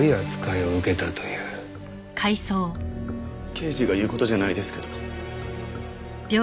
刑事が言う事じゃないですけど。